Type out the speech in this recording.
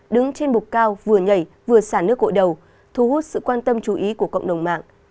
đứng trên bục cao vừa nhảy vừa xả nước gội đầu thu hút sự quan tâm chú ý của cộng đồng mạng